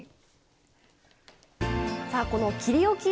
さあこの切りおき